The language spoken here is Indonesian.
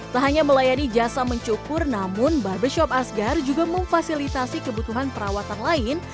tak hanya melayani jasa mencukur namun barbershop asgar juga memfasilitasi kebutuhan perawatan lain